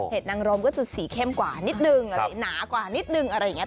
นางรมก็จะสีเข้มกว่านิดนึงอะไรหนากว่านิดนึงอะไรอย่างนี้